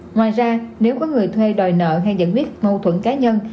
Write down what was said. ngoài ra nếu có người thuê đòi nợ hay giận viết mâu thuẫn cá nhân